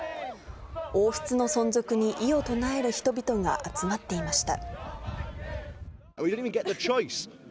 王室の存続に異を唱える人々が集まっていました。